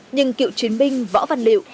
nhưng cựu chiến binh võ văn liệu